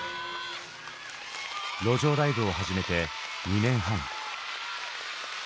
路上ライブを始めて２年半。